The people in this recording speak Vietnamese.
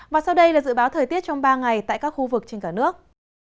và sau đây là dự báo thời tiết trong ba ngày tại các khu vực trên cả nước